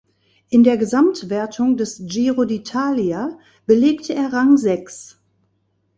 In der Gesamtwertung des Giro d’Italia belegte er Rang sechs.